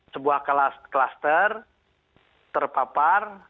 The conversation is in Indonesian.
sebuah klaster terpapar